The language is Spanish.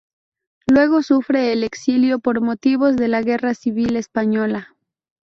Luego sufre el exilio por motivos de la Guerra Civil Española.